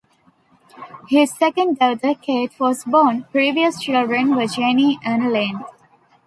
His second daughter, Kate, was born; previous children were Jenny and Lane.